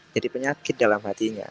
jadi penyakit dalam hatinya